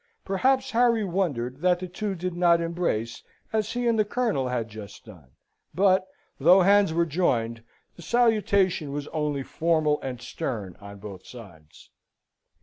Perhaps Harry wondered that the two did not embrace as he and the Colonel had just done. But, though hands were joined, the salutation was only formal and stern on both sides.